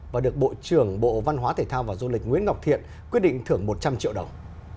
và được bộ trưởng bộ văn hóa thể thao và du lịch nguyễn ngọc thiện quyết định thưởng một trăm linh triệu đồng